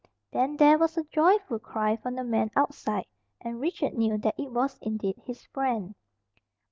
Then there was a joyful cry from the man outside, and Richard knew that it was indeed his friend.